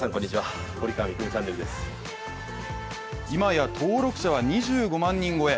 今や登録者は２５万人超え。